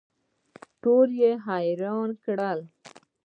ټول یې حیران کړل.